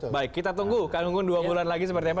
baik kita tunggu kang gunggun dua bulan lagi seperti apa